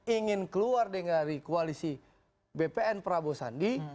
ingin keluar dari koalisi bpn prabowo sandi